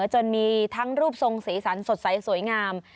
จนมีทั้งรูปทรงสีสันสดใสสวยงาม